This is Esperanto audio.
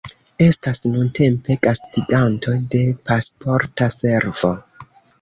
Estas nuntempe gastiganto de Pasporta Servo.